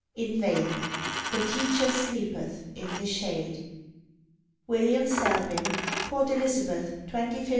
In vain! The Teacher "sleepeth" in the shade. William Selwyn. PORT ELIZABETH, _25th Jan.